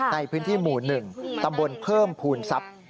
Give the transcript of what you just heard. ในพื้นที่หมู่๑ตำบลเพิ่มภูมิทรัพย์